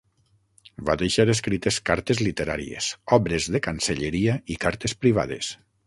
Va deixar escrites cartes literàries, obres de cancelleria i cartes privades.